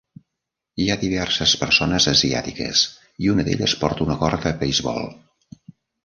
Hi ha diverses persones asiàtiques i una d'elles porta una gorra de beisbol.